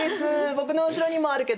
僕の後ろにもあるけど。